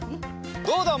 どうだ？